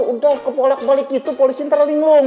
udah kepolak balik gitu polisi terlalu linglung